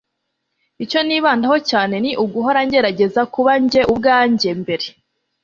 icyo nibandaho cyane ni uguhora ngerageza kuba njye ubwanjye mbere